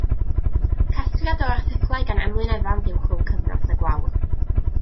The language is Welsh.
Casgliad o erthyglau gan Emlyn Evans yw Rhwng Cyfnos a Gwawr.